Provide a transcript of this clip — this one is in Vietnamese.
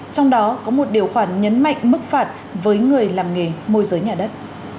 trong đó có một điều khoản nhấn mạnh mức phạt với người làm nghề môi giới nhà đất